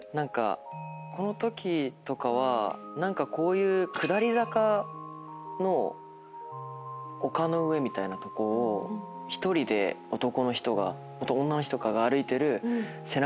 このときとかは何かこういう下り坂の丘の上みたいなとこを１人で男の人が女の人かが歩いてる背中